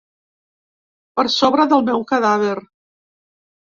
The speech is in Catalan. Per sobre del meu cadàver.